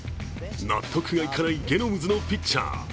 納得がいかないゲノムズのピッチャー。